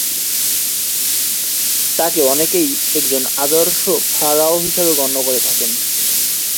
তাঁকে অনেকেই একজন আদর্শ ফারাও হিসেবে গণ্য করে থাকেন।